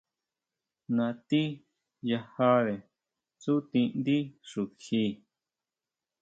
Natí yajare tsutindí xukjí.